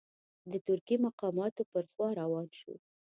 د ترکي مقاماتو پر خوا روان شو.